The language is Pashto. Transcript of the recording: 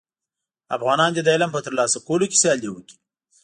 افغانان دي د علم په تر لاسه کولو کي سیالي وکړي.